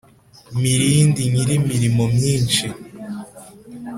mirindi nyiri imirimo myinshi